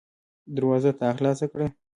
دروازه تا خلاصه کړه.